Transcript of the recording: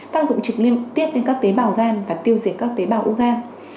tác dụng trực liên tiếp đến các tế bào gan và tiêu diệt các tế bào u gan